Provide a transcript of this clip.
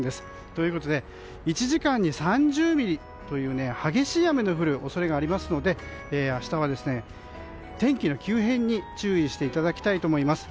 ということで１時間に３０ミリの激しい雨の降る恐れがあるので明日は天気の急変に注意していただきたいと思います。